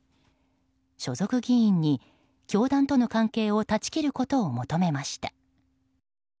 所属議員に教団との関係を断ち切ることを求めました。